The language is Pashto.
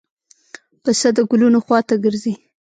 پسه د ګلونو خوا ته ګرځي.